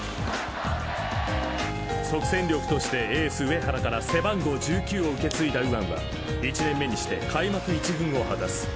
［即戦力としてエース上原から背番号１９を受け継いだ右腕は１年目にして開幕一軍を果たす］